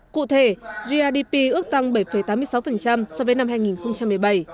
cụ thể grdp ước tăng bảy tám mươi sáu so với năm hai nghìn một mươi bảy